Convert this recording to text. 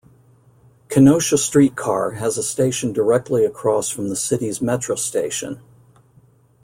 Kenosha Streetcar has a station directly across from the city's Metra station.